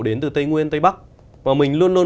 đến từ tây nguyên tây bắc và mình luôn luôn